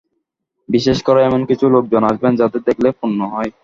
বিশেষ করে এমন কিছু লোকজন আসবেন, যাঁদের দেখলে পুণ্য হয়।